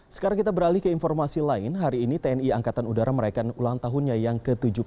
sekarang kita beralih ke informasi lain hari ini tni angkatan udara merayakan ulang tahunnya yang ke tujuh puluh dua